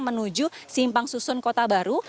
menuju simpang susun kota baru